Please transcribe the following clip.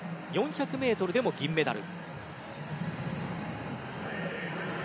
４００ｍでも銀メダル。